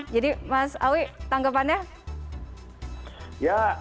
jadi mas sawi tanggapannya